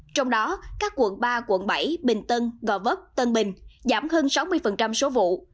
trong đó các quận ba quận bảy bình tân gò vấp tân bình giảm hơn sáu mươi số vụ